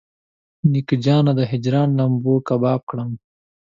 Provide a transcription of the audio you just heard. نیکه جانه د هجران لمبو کباب کړم.